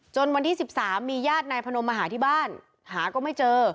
วันที่๑๓มีญาตินายพนมมาหาที่บ้านหาก็ไม่เจอ